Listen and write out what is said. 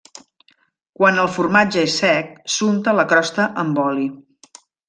Quan el formatge és sec s'unta la crosta amb oli.